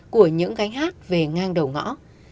của những gánh hát về ngang đầu ngõ